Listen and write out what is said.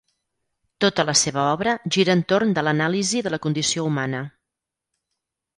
Tota la seva obra gira entorn de l’anàlisi de la condició humana.